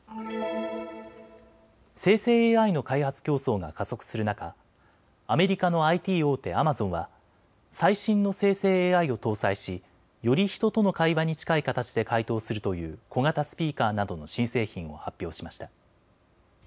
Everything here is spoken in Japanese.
生成ＡＩの開発競争が加速する中、アメリカのＩＴ大手、アマゾンは最新の生成ＡＩを搭載しより人との会話に近い形で回答するという小型スピーカーなどの新製品を発表しました。